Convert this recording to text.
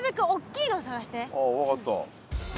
ああ分かった。